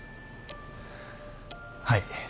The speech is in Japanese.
はい。